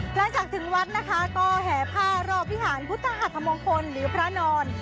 หลังจากถึงวัดนะคะก็แห่ผ้ารอบวิหารพุทธอัธมงคลหรือพระนอน